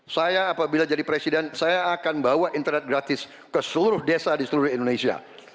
saya apabila jadi presiden saya akan bawa internet gratis ke seluruh desa di seluruh indonesia